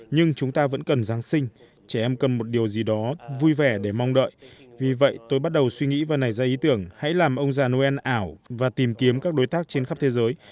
nhưng chúng ta vẫn cần giáng sinh trẻ em cần một điều gì đó vui vẻ để mong đợi vì vậy tôi bắt đầu suy nghĩ và nảy ra ý tưởng hãy làm ông già noel ảo và tìm kiếm các đối tác trên khắp thế giới